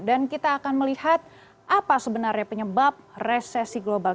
dan kita akan melihat apa sebenarnya penyebab resesi global